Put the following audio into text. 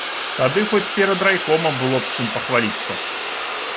Тады хоць перад райкомам было б чым пахваліцца.